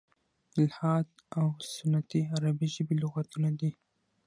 "الحاد او سنتي" عربي ژبي لغتونه دي.